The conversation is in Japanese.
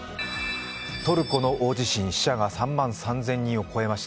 トルコの大地震死者が３万３０００人を超えました。